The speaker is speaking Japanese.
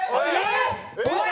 えっ！